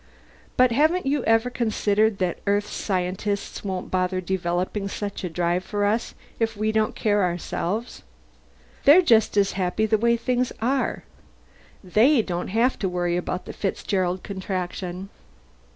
But haven't you ever considered that Earth's scientists won't bother developing such a drive for us if we don't care ourselves? They're just as happy the way things are. They don't have to worry about the Fitzgerald Contraction."